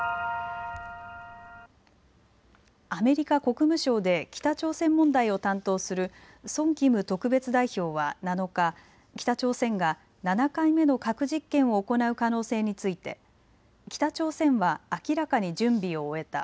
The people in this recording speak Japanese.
アメリカ国務省で北朝鮮問題を担当するソン・キム特別代表は７日、北朝鮮が７回目の核実験を行う可能性について北朝鮮は明らかに準備を終えた。